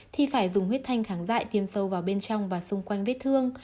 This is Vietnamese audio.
thì phải dùng huyết thanh kháng dại tiêm sâu vào bên trong và xung quanh vết thương